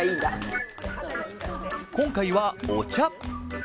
今回はお茶。